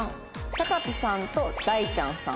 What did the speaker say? タカピさんと大ちゃんさん。